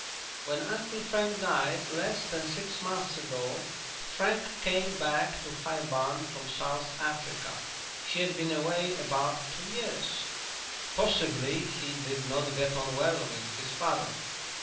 "When Uncle Frank died, less than six months ago, Frank came back to High Barn from South Africa. He had been away about two years." "Possibly he did not get on well with his father?"